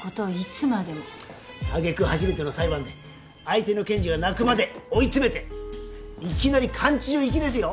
揚げ句初めての裁判で相手の検事が泣くまで追い詰めていきなり監置場行きですよ。